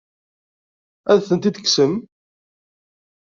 Ad tent-id-tekksem?